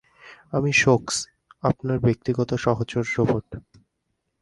আমি সোকস, আপনার ব্যক্তিগত সহচর রোবট।